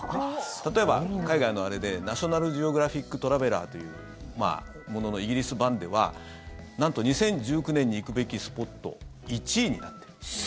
例えば、海外のあれで「ナショナル・ジオグラフィック・トラベラー」というもののイギリス版ではなんと２０１９年に行くべきスポット１位になってるんです。